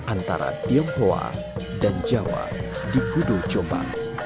antara tionghoa dan jawa di kudo coba